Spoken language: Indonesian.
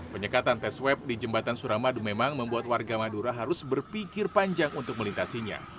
penyekatan tes web di jembatan suramadu memang membuat warga madura harus berpikir panjang untuk melintasinya